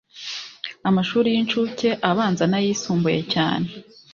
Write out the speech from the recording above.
amashuri y incuke abanza n ayisumbuye cyane